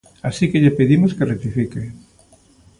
Así que lle pedimos que rectifique.